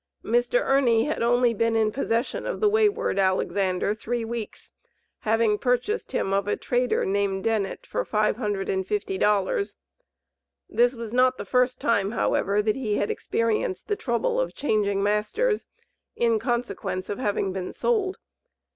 Mr. Ernie had only been in possession of the wayward Alexander three weeks, having purchased him of a trader named Dennit, for $550. This was not the first time, however, that he had experienced the trouble of changing masters, in consequence of having been sold.